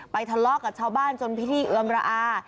ทะเลาะกับชาวบ้านจนพิธีเอือมระอา